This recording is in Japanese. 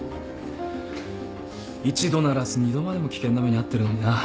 一度ならず二度までも危険な目に遭ってるのにな。